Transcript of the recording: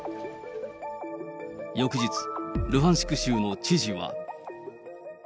翌日、ルハンシク州の知事は。